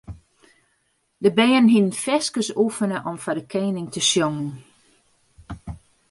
De bern hiene ferskes oefene om foar de koaning te sjongen.